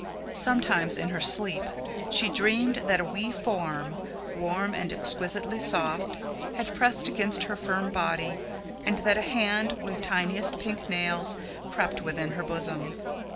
Sometimes in her sleep she dreamed that a wee form, warm and exquisitely soft, was pressed against her firm body, and that a hand with tiniest pink nails crept within her bosom.